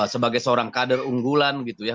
sebagai seorang kader unggulan gitu ya